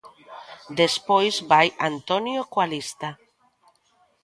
Despois vai Antonio coa lista.